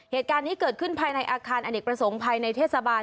เหตุการณ์นี้เกิดขึ้นภายในอาคารอเนกประสงค์ภายในเทศบาล